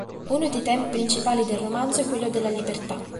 Uno dei temi principali del romanzo è quello della libertà.